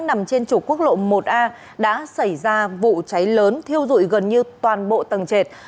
nằm trên trục quốc lộ một a đã xảy ra vụ cháy lớn thiêu dụi gần như toàn bộ tầng trệt